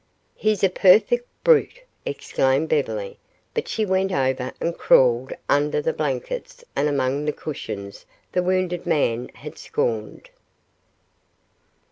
"He's a perfect brute!" exclaimed Beverly, but she went over and crawled under the blankets and among the cushions the wounded man had scorned.